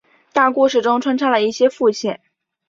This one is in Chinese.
大故事中穿插了一些副线。